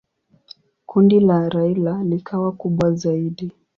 Kundi la Raila likawa kubwa zaidi.